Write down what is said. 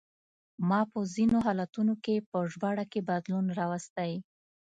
ما په ځینو حالتونو کې په ژباړه کې بدلون راوستی.